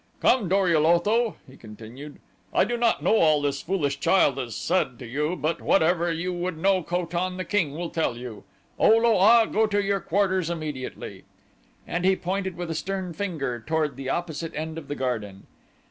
"Come, Dor ul Otho," he continued, "I do not know all this foolish child has said to you but whatever you would know Ko tan, the king, will tell you. O lo a, go to your quarters immediately," and he pointed with stern finger toward the opposite end of the garden.